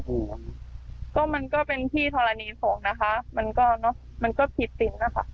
อ๋อดูแล้วไม่น่าไว้ใจ